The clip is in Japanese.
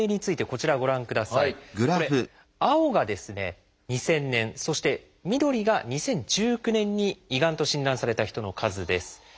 これ青が２０００年そして緑が２０１９年に胃がんと診断された人の数です。